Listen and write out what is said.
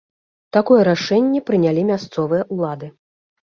Такое рашэнне прынялі мясцовыя ўлады.